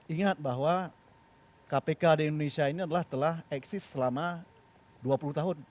ingat bahwa kpk di indonesia ini adalah telah eksis selama dua puluh tahun